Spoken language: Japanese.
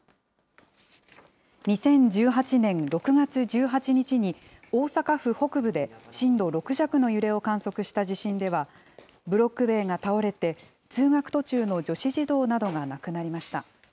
２０１８年６月１８日に大阪府北部で震度６弱の揺れを観測した地震では、ブロック塀が倒れて通学途中の女子児童などが亡くなりました。